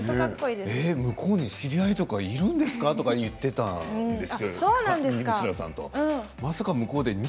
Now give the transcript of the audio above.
向こうに知り合いとかいるんですか？とか言っていたんです。